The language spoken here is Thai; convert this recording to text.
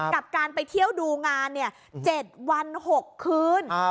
กับการไปเที่ยวดูงาน๗วัน๖คืน